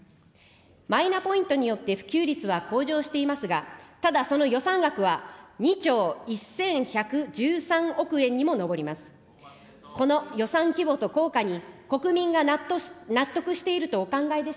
マイナポイントによって普及率は向上していますが、ただ、その予算額は２兆１１１３億円にも上ります。